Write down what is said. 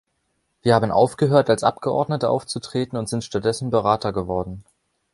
Wir haben aufgehört, als Abgeordnete aufzutreten und sind stattdessen Berater geworden.